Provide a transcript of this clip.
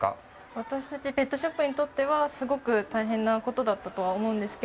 私たちペットショップにとってはすごく大変なことだったとは思うんですが